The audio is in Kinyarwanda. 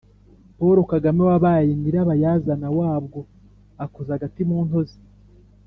paul kagame wabaye nyirabayazana wabwo akoza agati mu ntozi